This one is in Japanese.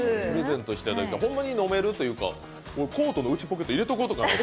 ホンマに飲めるというか、コートの内ポケット入れとこうかなと。